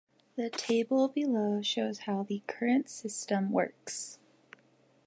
The table below shows how the current system works.